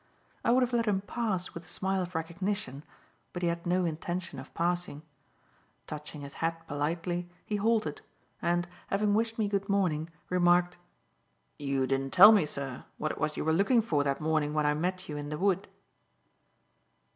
I would have let him pass with a smile of recognition, but he had no intention of passing. Touching his hat politely, he halted, and, having wished me good morning, remarked: "You didn't tell me, sir, what it was you were looking for that morning when I met you in the wood."